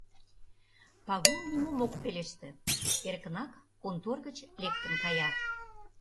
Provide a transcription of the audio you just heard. Пагул нимом ок пелеште, эркынак контор гыч лектын кая.